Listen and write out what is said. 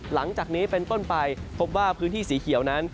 หลังจากนี้เป็นต้นไปพบว่าพื้นที่สีเขียวนั้น